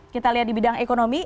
kita lihat di bidang ekonomi